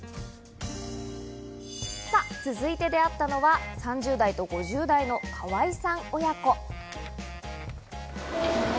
続いて出会ったのは３０代と５０代のかわいさん親子。